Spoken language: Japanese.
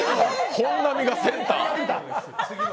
本並がセンター！？